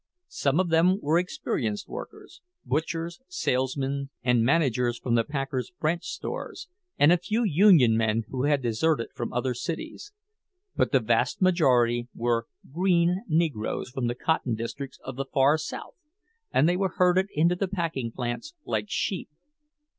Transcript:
Some of them were experienced workers,—butchers, salesmen, and managers from the packers' branch stores, and a few union men who had deserted from other cities; but the vast majority were "green" Negroes from the cotton districts of the far South, and they were herded into the packing plants like sheep.